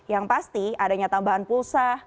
yang pasti adanya tambahan pulsa